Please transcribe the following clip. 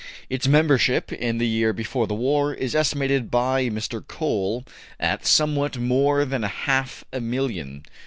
Its membership in the year before the war is estimated by Mr. Cole at somewhat more than half a million.